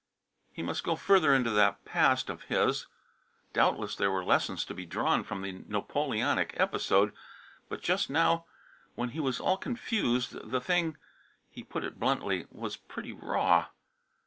He must go further into that past of his. Doubtless there were lessons to be drawn from the Napoleonic episode, but just now, when he was all confused, the thing he put it bluntly was "pretty raw."